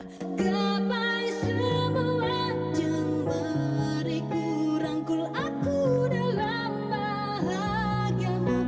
gapai semua jangan beriku rangkul aku dalam bahagiamu